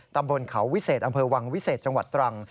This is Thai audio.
ตำบลเขาวิเศษอำเภอวังวิเศษจังหวัดตรัง